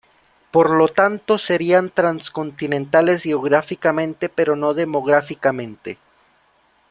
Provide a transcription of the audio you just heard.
Por lo tanto, serían transcontinentales geográficamente, pero no demográficamente.